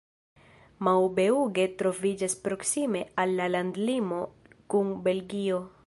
Maubeuge troviĝas proksime al la landlimo kun Belgio.